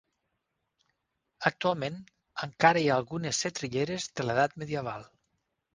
Actualment, encara hi ha algunes setrilleres de l'edat medieval.